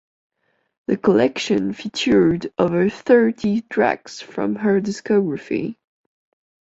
The collection featured over thirty tracks from her discography.